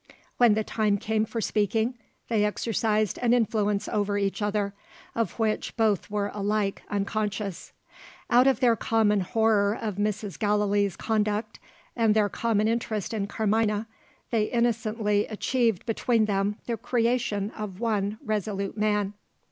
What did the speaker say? When the time came for speaking, they exercised an influence over each other, of which both were alike unconscious. Out of their common horror of Mrs. Gallilee's conduct, and their common interest in Carmina, they innocently achieved between them the creation of one resolute man.